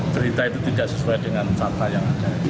berita itu tidak sesuai dengan fakta yang ada